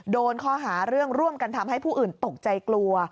โดนข้อหาเรื่องร่วมกันทำให้ผู้อื่นตกใจกลัว